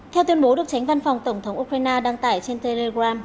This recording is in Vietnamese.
theo tuyên bố được tránh văn phòng tổng thống ukraine đăng tải trên telegram